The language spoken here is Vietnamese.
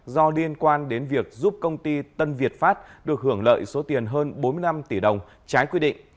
do liên quan đến việc giúp công ty tân việt pháp được hưởng lợi số tiền hơn bốn mươi năm tỷ đồng trái quy định